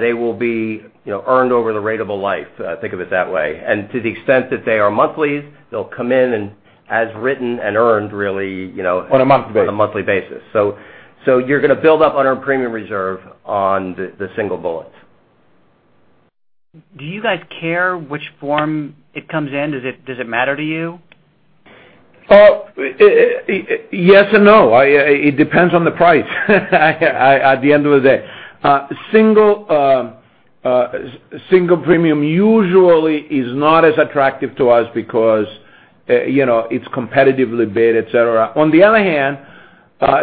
they will be earned over the rate of a life, think of it that way. To the extent that they are monthlies, they'll come in and as written and earned really On a monthly basis. On a monthly basis. You're going to build up unearned premium reserve on the single bullets. Do you guys care which form it comes in? Does it matter to you? Yes and no. It depends on the price at the end of the day. Single premium usually is not as attractive to us because it's competitively bid, et cetera.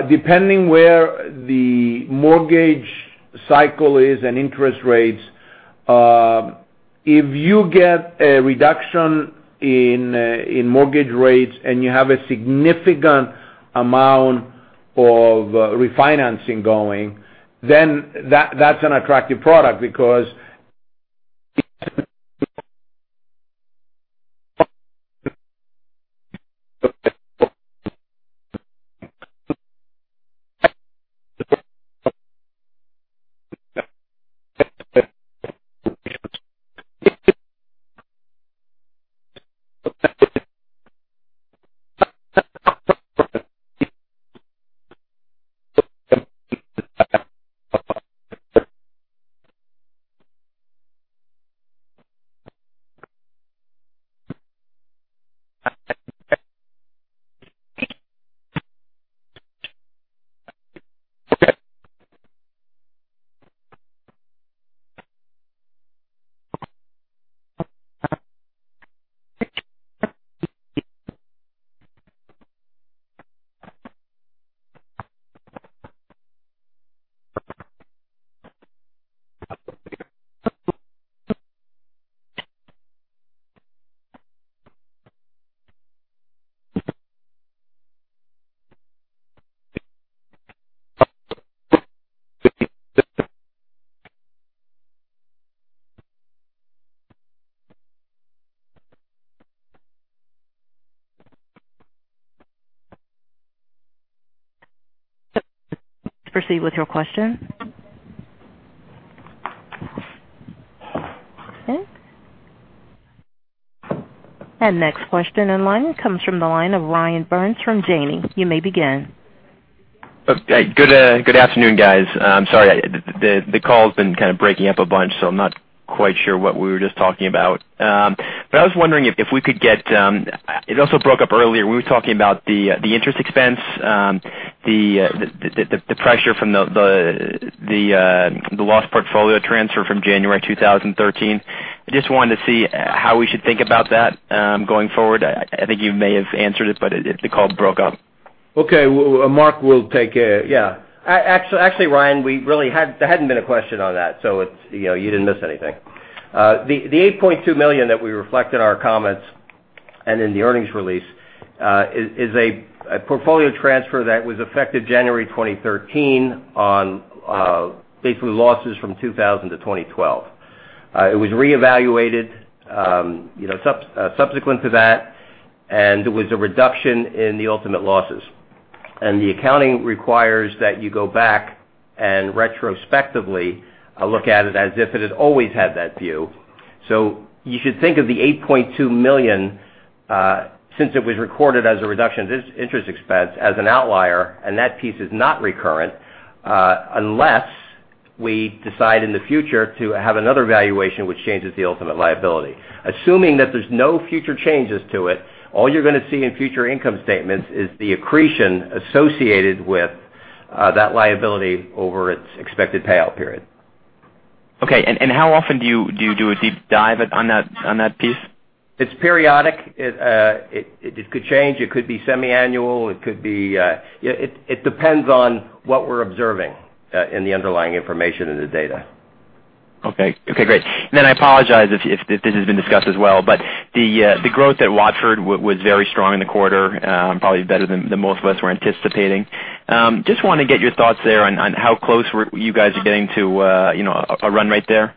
Depending where the mortgage cycle is and interest rates, if you get a reduction in mortgage rates and you have a significant amount of refinancing going, then that's an attractive product because. Proceed with your question. Okay. Next question in line comes from the line of Ryan Burns from Janney. You may begin. Good afternoon, guys. I'm sorry, the call's been kind of breaking up a bunch. I'm not quite sure what we were just talking about. It also broke up earlier when we were talking about the interest expense, the pressure from the loss portfolio transfer from January 2013. I just wanted to see how we should think about that going forward. I think you may have answered it, the call broke up. Okay. Mark will take it. Yeah. Actually, Ryan, there hadn't been a question on that, you didn't miss anything. The $8.2 million that we reflect in our comments and in the earnings release is a portfolio transfer that was effective January 2013 on basically losses from 2000 to 2012. It was reevaluated subsequent to that, it was a reduction in the ultimate losses. The accounting requires that you go back and retrospectively look at it as if it had always had that view. You should think of the $8.2 million, since it was recorded as a reduction in interest expense, as an outlier, that piece is not recurrent. Unless we decide in the future to have another valuation which changes the ultimate liability. Assuming that there's no future changes to it, all you're going to see in future income statements is the accretion associated with that liability over its expected payout period. Okay. How often do you do a deep dive on that piece? It's periodic. It could change. It could be semi-annual. It depends on what we're observing in the underlying information in the data. Okay. Great. I apologize if this has been discussed as well. The growth at Watford was very strong in the quarter, probably better than most of us were anticipating. Just want to get your thoughts there on how close you guys are getting to a run rate there.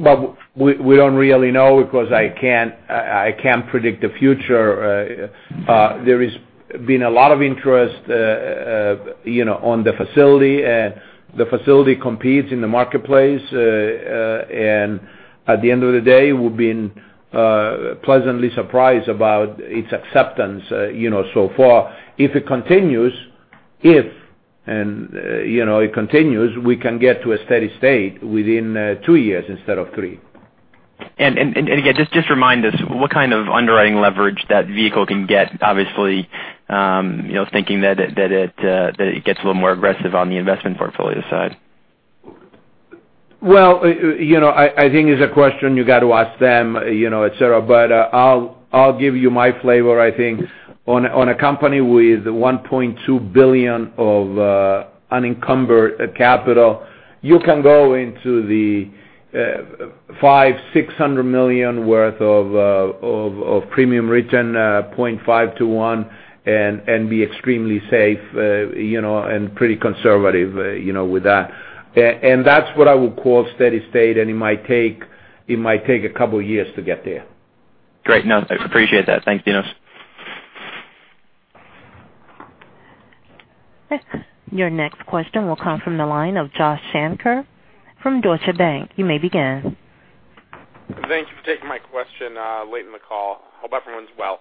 Well, we don't really know because I can't predict the future. There has been a lot of interest on the facility, and the facility competes in the marketplace. At the end of the day, we've been pleasantly surprised about its acceptance so far. If it continues, we can get to a steady state within two years instead of three. Again, just remind us what kind of underwriting leverage that vehicle can get. Obviously, thinking that it gets a little more aggressive on the investment portfolio side. Well, I think it's a question you got to ask them, et cetera. I'll give you my flavor. I think on a company with $1.2 billion of unencumbered capital, you can go into the $500 million, $600 million worth of premium written 0.5 to one and be extremely safe and pretty conservative with that. That's what I would call steady state, and it might take a couple of years to get there. Great. No, I appreciate that. Thanks, Dinos. Your next question will come from the line of Joshua Shanker from Deutsche Bank. You may begin. Thank you for taking my question late in the call. Hope everyone's well.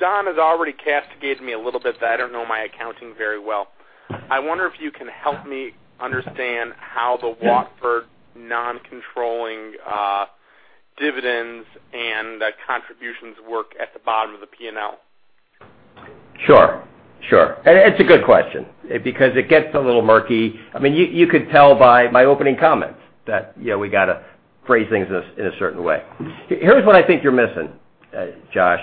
Don has already castigated me a little bit that I don't know my accounting very well. I wonder if you can help me understand how the Watford non-controlling dividends and contributions work at the bottom of the P&L. Sure. It's a good question because it gets a little murky. You could tell by my opening comments that we got to phrase things in a certain way. Here's what I think you're missing, Josh,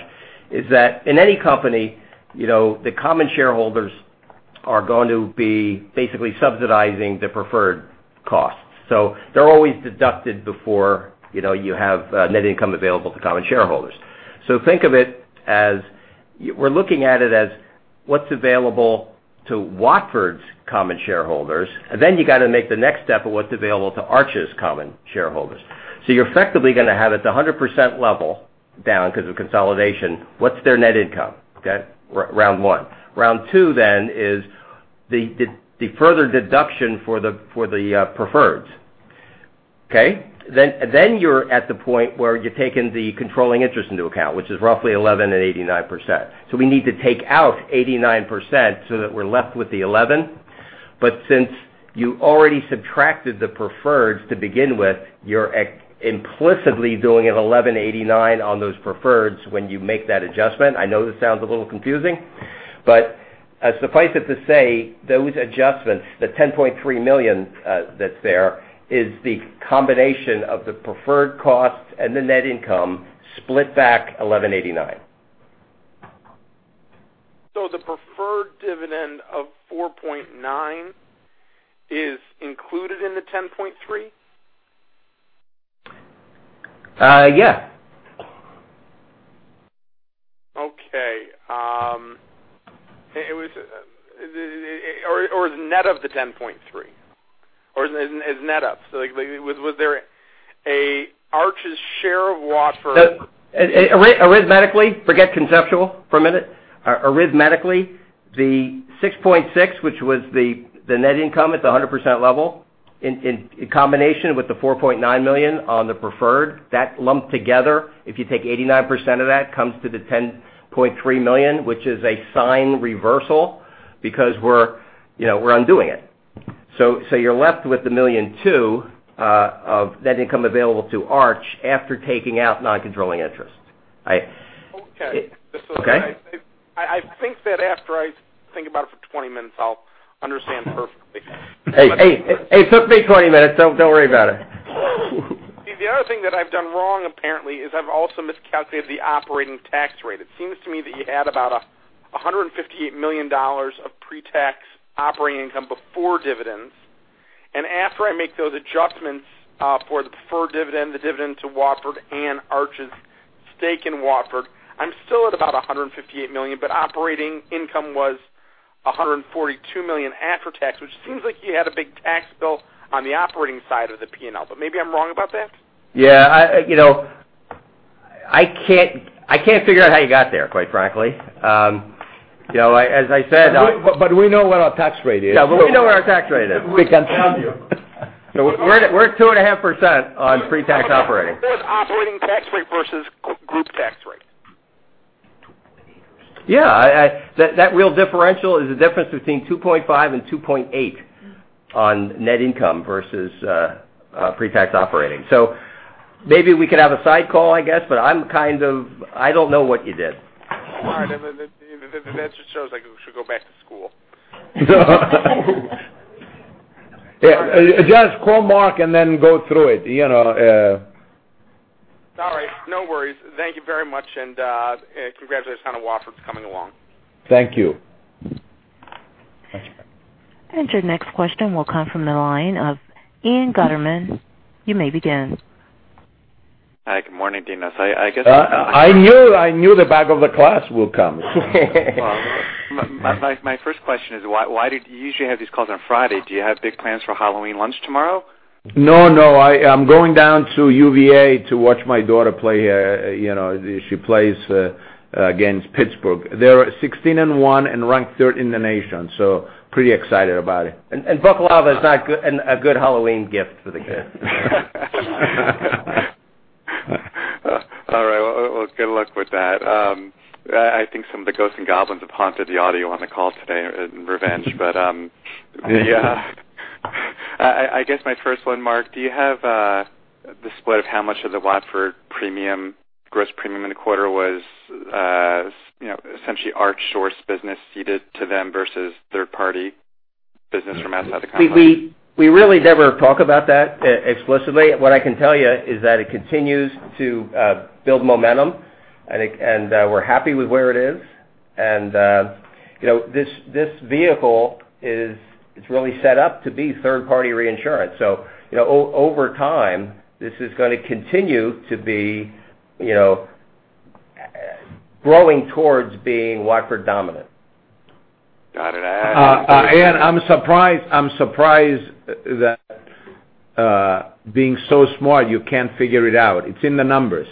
is that in any company, the common shareholders are going to be basically subsidizing the preferred costs. They're always deducted before you have net income available to common shareholders. Think of it as we're looking at it as what's available to Watford's common shareholders. Then you got to make the next step of what's available to Arch's common shareholders. You're effectively going to have at the 100% level down because of consolidation, what's their net income? Okay, round one. Round two is the further deduction for the preferred. Okay? Then you're at the point where you're taking the controlling interest into account, which is roughly 11% and 89%. We need to take out 89% so that we're left with the 11. Since you already subtracted the preferred to begin with, you're implicitly doing an 1189 on those preferred when you make that adjustment. I know this sounds a little confusing. Suffice it to say, those adjustments, the $10.3 million that's there, is the combination of the preferred cost and the net income split back 1189. The preferred dividend of $4.9 is included in the $10.3? Yeah. Okay. Is it net of the $10.3, or is net of? Was there Arch's share of? Arithmetically, forget conceptual for a minute. Arithmetically, the $6.6, which was the net income at the 100% level, in combination with the $4.9 million on the preferred, that lumped together, if you take 89% of that, comes to the $10.3 million, which is a sign reversal because we're undoing it. You're left with the $1.2 million of net income available to Arch after taking out non-controlling interest. Okay. Okay? I think that after I think about it for 20 minutes, I'll understand perfectly. Hey, it took me 20 minutes. Don't worry about it. The other thing that I've done wrong, apparently, is I've also miscalculated the operating tax rate. It seems to me that you had about $158 million of pre-tax operating income before dividends. After I make those adjustments for the preferred dividend, the dividend to Watford and Arch's stake in Watford, I'm still at about $158 million, operating income was $142 million after tax, which seems like you had a big tax bill on the operating side of the P&L. Maybe I'm wrong about that. Yeah. I can't figure out how you got there, quite frankly. As I said. We know what our tax rate is. Yeah, we know what our tax rate is. We can tell you. We're 2.5% on pre-tax operating. It was operating tax rate versus group tax rate. Yeah. That real differential is the difference between 2.5 and 2.8 on net income versus pre-tax operating. Maybe we could have a side call, I guess, but I don't know what you did. All right. That just shows I should go back to school. Yeah. Just call Mark and then go through it. All right. No worries. Thank you very much, and congratulations on Watford's coming along. Thank you. Your next question will come from the line of Ian Gutterman. You may begin. Hi. Good morning, Dinos. I knew the back of the class will come. My first question is, you usually have these calls on Friday. Do you have big plans for Halloween lunch tomorrow? No. I'm going down to UVA to watch my daughter play. She plays against Pittsburgh. They're 16 and one and ranked third in the nation, so pretty excited about it. Baklava is not a good Halloween gift for the kids. All right. Well, good luck with that. I think some of the ghosts and goblins have haunted the audio on the call today in revenge. I guess my first one, Mark, do you have the split of how much of the Watford gross premium in the quarter was essentially Arch source business ceded to them versus third party business from outside the company? We really never talk about that explicitly. What I can tell you is that it continues to build momentum, we're happy with where it is. This vehicle is really set up to be third party reinsurance. Over time, this is going to continue to be growing towards being Watford dominant. Got it. Ian, I'm surprised that being so smart, you can't figure it out. It's in the numbers.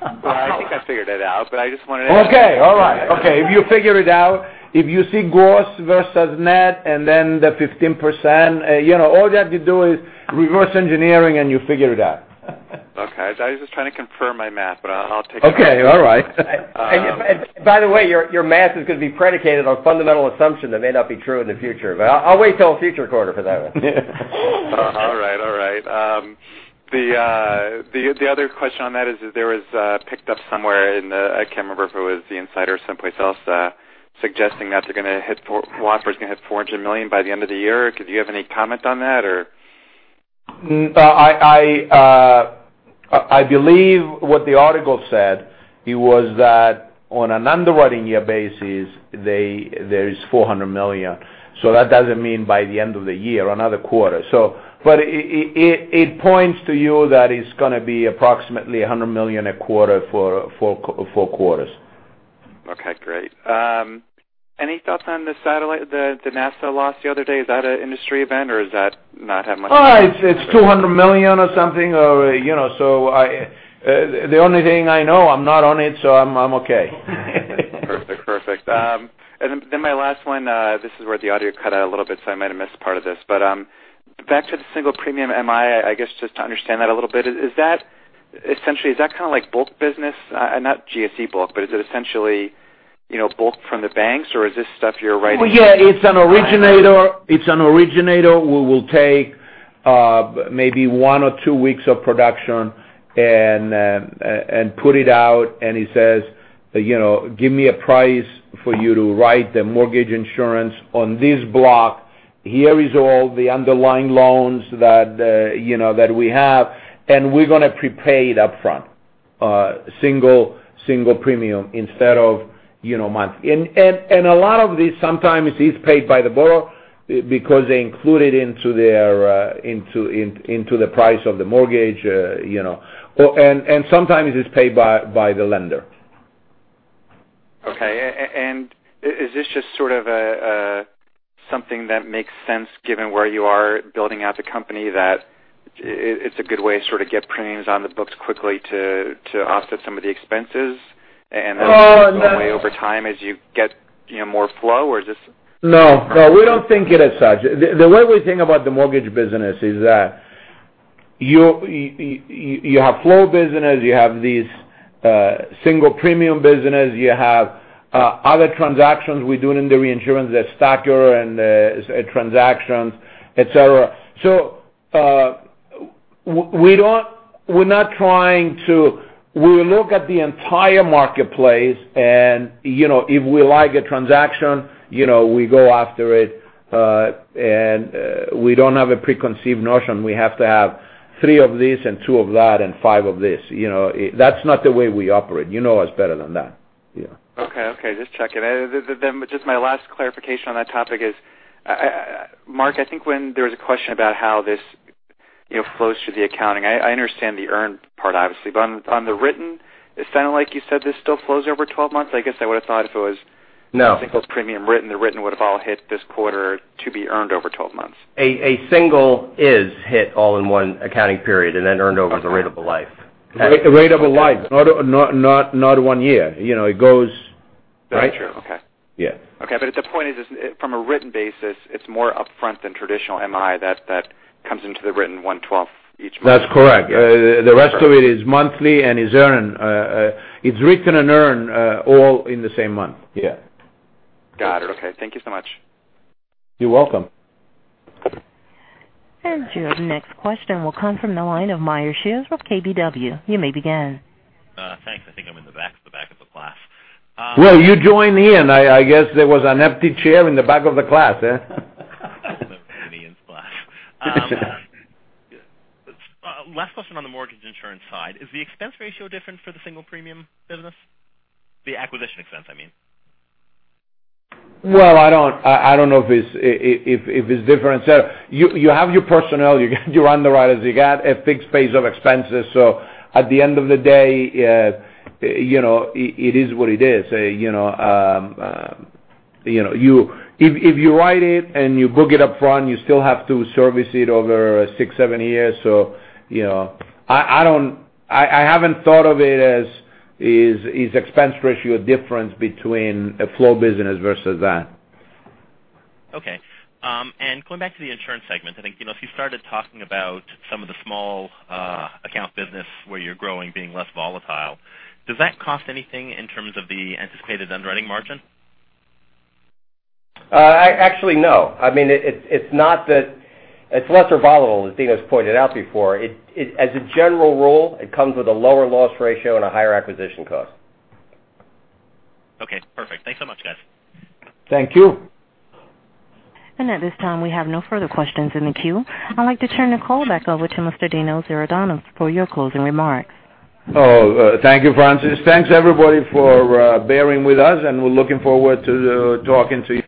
Well, I think I figured it out, but I just wanted to. Okay. All right. Okay. If you figure it out, if you see gross versus net and then the 15%, all you have to do is reverse engineering, and you figure it out. Okay. I was just trying to confirm my math, but I'll take it. Okay. All right. By the way, your math is going to be predicated on fundamental assumption that may not be true in the future, but I'll wait till a future quarter for that one. All right. The other question on that is there was picked up somewhere in the, I can't remember if it was The Insider or someplace else, suggesting that Watford's going to hit $400 million by the end of the year. Do you have any comment on that, or? I believe what the article said, it was that on an underwriting year basis, there is $400 million. That doesn't mean by the end of the year, another quarter. It points to you that it's going to be approximately $100 million a quarter for four quarters. Okay, great. Any thoughts on the satellite, the NASA loss the other day? Is that an industry event, or does that not have much- It's $200 million or something. The only thing I know, I'm not on it, I'm okay. Perfect. My last one, this is where the audio cut out a little bit, so I might have missed part of this, but back to the single premium MI, I guess, just to understand that a little bit, essentially, is that kind of like bulk business? Not GSE bulk, but is it essentially bulk from the banks, or is this stuff you're writing? Yeah, it's an originator who will take maybe one or two weeks of production and put it out, and he says, "Give me a price for you to write the mortgage insurance on this block. Here is all the underlying loans that we have, and we're going to prepay it up front." Single premium instead of month. A lot of these, sometimes it's paid by the borrower because they include it into the price of the mortgage. Sometimes it's paid by the lender. Okay. Is this just sort of something that makes sense given where you are building out the company, that it's a good way to sort of get premiums on the books quickly to offset some of the expenses and then. Oh, no. over time as you get more flow, or is this? No, we don't think it as such. The way we think about the mortgage business is that you have flow business, you have these single premium business, you have other transactions we're doing in the reinsurance, the STACR and transactions, et cetera. We look at the entire marketplace, and if we like a transaction, we go after it. We don't have a preconceived notion we have to have three of this and two of that and five of this. That's not the way we operate. You know us better than that. Okay. Just checking. Just my last clarification on that topic is, Mark, I think when there was a question about how this flows through the accounting, I understand the earned part, obviously. On the written, it sounded like you said this still flows over 12 months. I guess I would have thought if it was- No single premium written, the written would have all hit this quarter to be earned over 12 months. A single is hit all in one accounting period and then earned over the rate of life. The rate of life, not one year. It goes, right? Very true. Okay. Yeah. Okay. The point is, from a written basis, it's more upfront than traditional MI that comes into the written 1/12 each month. That's correct. The rest of it is monthly and it's written and earned all in the same month. Yeah. Got it. Okay. Thank you so much. You're welcome. Your next question will come from the line of Meyer Shields with KBW. You may begin. Thanks. I think I'm in the back of the class. Well, you joined in. I guess there was an empty chair in the back of the class, huh? Absolutely in the class. Last question on the mortgage insurance side, is the expense ratio different for the single premium business? The acquisition expense, I mean. Well, I don't know if it's different. You have your personnel, you got your underwriters, you got a fixed base of expenses. At the end of the day, it is what it is. If you write it and you book it up front, you still have to service it over six, seven years. I haven't thought of it as, is expense ratio a difference between a flow business versus that. Okay. Going back to the insurance segment, I think, as you started talking about some of the small account business where you're growing, being less volatile, does that cost anything in terms of the anticipated underwriting margin? Actually, no. It's lesser volatile, as Dinos' pointed out before. As a general rule, it comes with a lower loss ratio and a higher acquisition cost. Okay, perfect. Thanks so much, guys. Thank you. At this time, we have no further questions in the queue. I'd like to turn the call back over to Mr. Dinos Iordanou for your closing remarks. Thank you, Frances. Thanks, everybody, for bearing with us, and we're looking forward to talking to you again.